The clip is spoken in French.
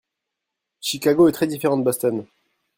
Chicago est très différent de Boston.